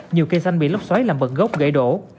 nhiều cây xanh bị lóc xoáy làm bậc gốc gãy đổ